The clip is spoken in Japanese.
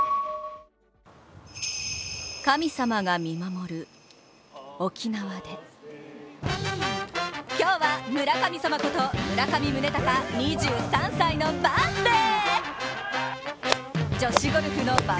神様が見守る沖縄で今日は村神様こと村上宗隆２３歳のバースデー！